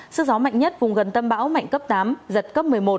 sức gió mạnh nhất vùng gần tâm bão mạnh cấp tám giật cấp một mươi một